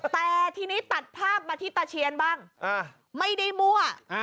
แต่ทีนี้ตัดภาพมาที่ตาเชียนบ้างไม่ได้มั่ว